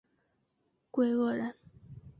桂萼人。